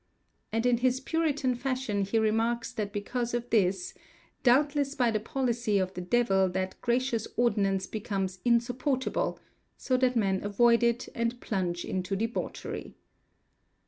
2), and in his Puritan fashion he remarks that because of this "doubtles by the policy of the devill that gracious ordinance becomes insupportable," so that men avoid it and plunge into debauchery.